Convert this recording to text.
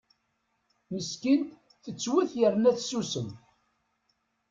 Meskint tettwet yerna tessusem.